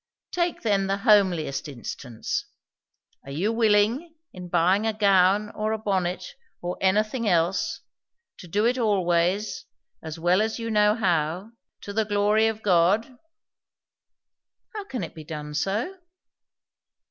Take then the homeliest instance. Are you willing, in buying a gown or a bonnet or anything else, to do it always, as well as you know how, to the glory of God?" "How can it be done so?"